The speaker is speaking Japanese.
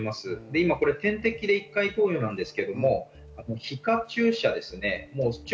今、点滴で１回投与なんですけど皮下注射です。